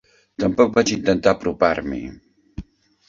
Tampoc vaig intentar apropar-m'hi.